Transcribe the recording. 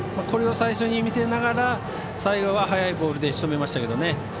これを最初に見せながら最後は速いボールでしとめましたけどね。